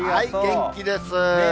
元気です。